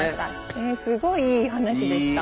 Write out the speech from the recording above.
えすごいいい話でした。